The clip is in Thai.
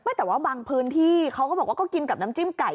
แต่ว่าบางพื้นที่เขาก็บอกว่าก็กินกับน้ำจิ้มไก่